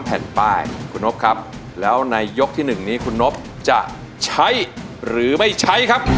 แผ่นป้ายคุณนบครับแล้วในยกที่๑นี้คุณนบจะใช้หรือไม่ใช้ครับ